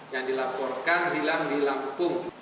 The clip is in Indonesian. yang dilaporkan hilang di lampung